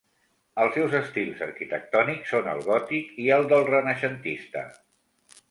Els seus estils arquitectònics són el gòtic i el del renaixentista.